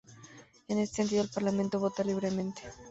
En este sentido, el parlamento vota libremente.